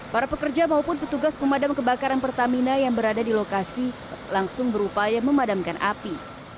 para pekerja maupun petugas pemadam kebakaran pertamina yang berada di lokasi langsung berupaya memadamkan api